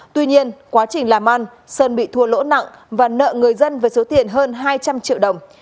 tuy nhiên quá trình làm ăn sơn bị thua lỗ nặng và nợ người dân với số tiền hơn hai trăm linh triệu đồng